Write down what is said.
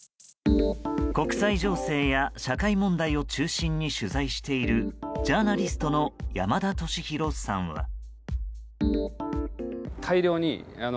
国際情勢や社会問題を中心に取材しているジャーナリストの山田敏弘さんは。